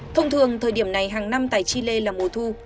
thông thường thời điểm này hàng năm tại chile là mùa thu